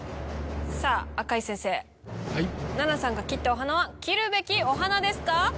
赤井先生七菜さんが切ったお花は切るべきお花ですか？